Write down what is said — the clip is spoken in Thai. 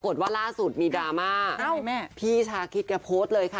กดว่าล่าสุดมีดราม่าพี่ชาคริตก็โพสต์เลยค่ะ